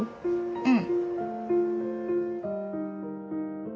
うん。